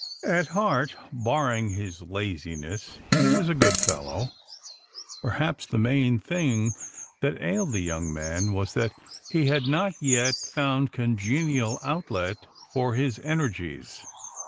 At heart, barring his laziness, he was a good fellow. Perhaps the main thing that ailed the young man was that he had not yet found con genial outlet for his energies.